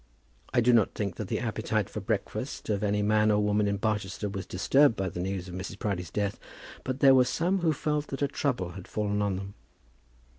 I do not think that the appetite for breakfast of any man or woman in Barchester was disturbed by the news of Mrs. Proudie's death, but there were some who felt that a trouble had fallen on them.